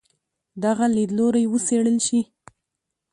دغه لیدلوری وڅېړل شي.